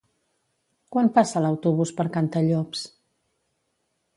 Quan passa l'autobús per Cantallops?